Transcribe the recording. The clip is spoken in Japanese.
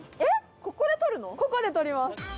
ここで撮ります。